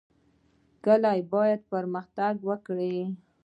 کلي باید پرمختګ وکړي